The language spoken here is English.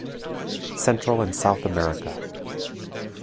CENTRAL AND SOUTH AMERICA.